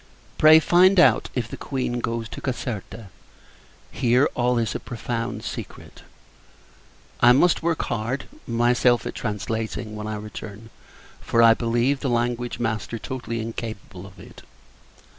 Pray, find out if the Queen goes to Caserta. Here, all is a profound secret. I must work hard, myself, at translating, when I return; for I believe the language master totally incapable of it.